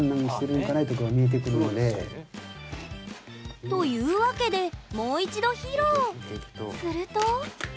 というわけでもう一度披露。